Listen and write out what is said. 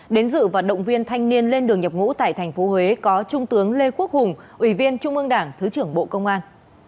đến dự và động viên thanh niên lên đường nhập ngũ tại tp huế có trung tướng lê quốc hùng ủy viên trung ương đảng thứ trưởng bộ công an